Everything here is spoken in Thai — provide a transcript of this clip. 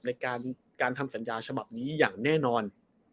ในการทำสัญญาฉบับนี้อย่างแน่นอน